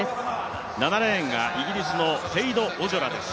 ７レーンがイギリスのテイド・オジョラです。